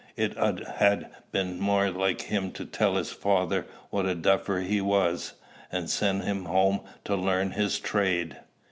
"It 'ud ha' been more like him to tell his father what a duffer he was, and send him home to learn his trade."